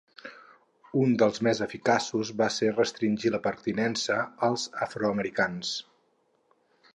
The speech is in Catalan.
Un dels més eficaços va ser restringir la pertinença als afroamericans.